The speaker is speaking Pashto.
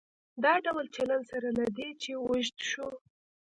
دا ډول چلن سره له دې چې اوږد شو.